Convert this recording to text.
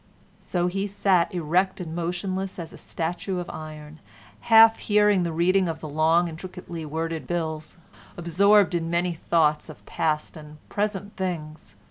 So he sat, erect and motionless as a statue of iron, half hearing the reading of the long intricately worded bills, absorbed in many thoughts of past and present things.